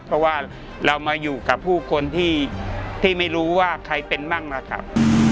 เพราะว่าเรามาอยู่กับผู้คนที่ไม่รู้ว่าใครเป็นมั่งนะครับ